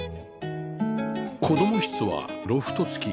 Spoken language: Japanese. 子供室はロフト付き